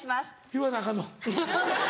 言わなアカンの。